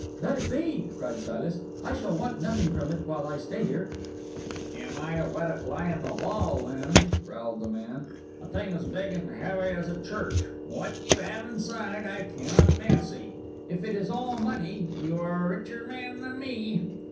"Let it be!" cried Silas. "I shall want nothing from it while I stay here." "You might have let it lie in the hall, then," growled the man; "a thing as big and heavy as a church. What you have inside I cannot fancy. If it is all money, you are a richer man than me."